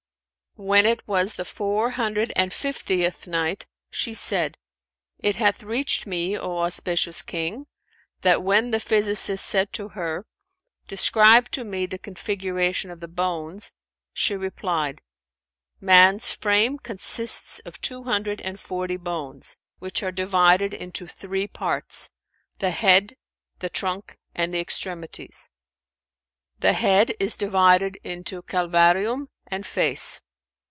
When it was the Four Hundred and Fiftieth Night, She said, It hath reached me, O auspicious King, that when the physicist said to her, "Describe to me the configuration of the bones," she replied, "Man's frame consists of two hundred and forty bones, which are divided into three parts, the head, the trunk and the extremities. The head is divided into calvarium and face.